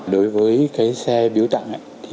đối với xe biếu tặng